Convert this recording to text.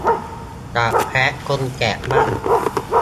จับแพะชนแกะบ้าง